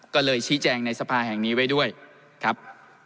ก็เลยชี้แจงในสภาแห่งนี้ไว้ด้วยครับ